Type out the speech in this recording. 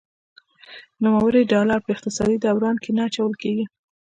نوموړي ډالر په اقتصادي دوران کې نه اچول کیږي.